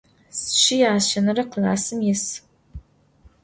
Sşşı yaşenere klassım yis.